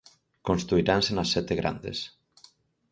Construiranse nas sete grandes.